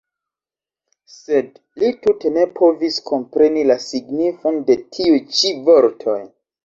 Sed li tute ne povis kompreni la signifon de tiuj-ĉi vortoj.